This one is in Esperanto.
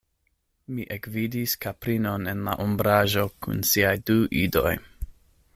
Mi ekvidis kaprinon en la ombraĵo kun siaj du idoj.